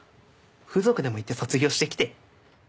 風俗でも行って卒業してきて。